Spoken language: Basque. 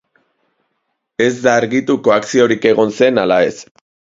Ez da argitu koakziorik egon zen ala ez.